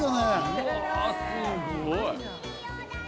うわすごい！